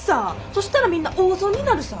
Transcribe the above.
そしたらみんな大損になるさ。